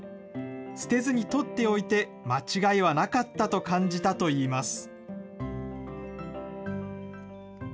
捨てずに取っておいて間違いはなかったと感じたといいます。